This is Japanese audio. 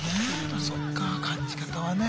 まそっか感じ方はね。